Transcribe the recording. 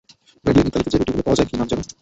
Madeline, ইতালিতে যে রুটিগুলো পাওয়া যায়, কী নাম যেন?